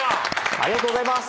ありがとうございます。